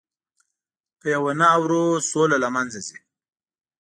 که یې ونه اورو، سوله له منځه ځي.